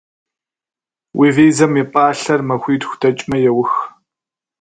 Уи визэм и пӏалъэр махуитху дэкӏмэ еух.